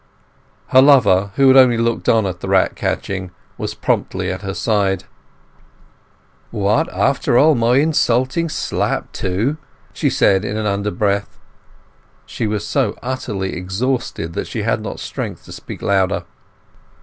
Her lover, who had only looked on at the rat catching, was promptly at her side. "What—after all—my insulting slap, too!" said she in an underbreath. She was so utterly exhausted that she had not strength to speak louder.